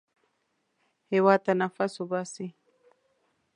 هېواد ته نفس وباسئ